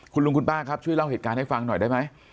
คุณลุงคุณป้าครับช่วยเล่าเหตุการณ์ให้ฟังหน่อยได้ไหม